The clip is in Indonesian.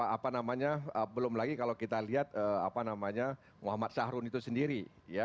apa namanya belum lagi kalau kita lihat muhammad sahrun itu sendiri